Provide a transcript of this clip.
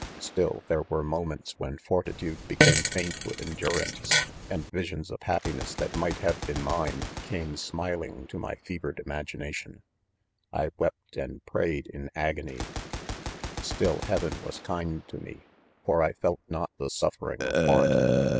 Still there were mo Meats when fortitude became faint with endu rance j and visions of happiness that miglr"; have been mine, came smiling to my fevered imagination. I wept and prayed in agony, " Still heaven was kind to me, fori felt riot the suffering of want.